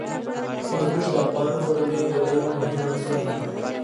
هندوکش د افغان کورنیو د دودونو مهم عنصر دی.